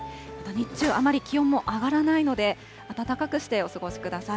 日中、あまり気温も上がらないので暖かくしてお過ごしください。